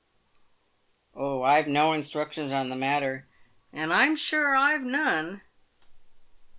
" Oh, I've no instructions on the matter." " And I'm sure I've none."